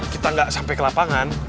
kita nggak sampai ke lapangan